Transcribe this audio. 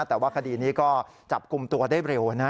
แต่ว่าคดีนี้ก็จับกลุ่มตัวได้เร็วนะ